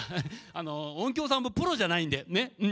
音響さんもプロじゃないんでねうん。